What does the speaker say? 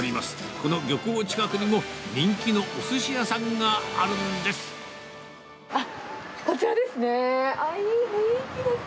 この漁港近くにも人気のおすし屋あっ、こちらですね。